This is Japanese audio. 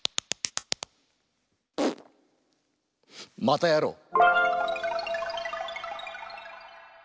またやろう！